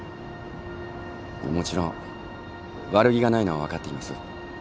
もちろん悪気がないのは分かっています。